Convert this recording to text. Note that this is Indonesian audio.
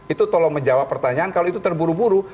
itu tolong menjawab pertanyaan kalau itu terburu buru